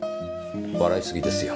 笑いすぎですよ。